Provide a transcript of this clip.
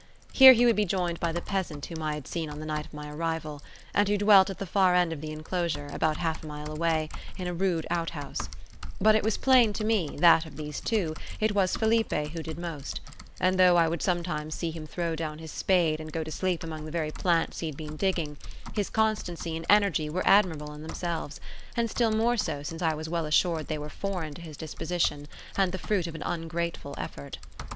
Here he would be joined by the peasant whom I had seen on the night of my arrival, and who dwelt at the far end of the enclosure, about half a mile away, in a rude out house; but it was plain to me that, of these two, it was Felipe who did most; and though I would sometimes see him throw down his spade and go to sleep among the very plants he had been digging, his constancy and energy were admirable in themselves, and still more so since I was well assured they were foreign to his disposition and the fruit of an ungrateful effort.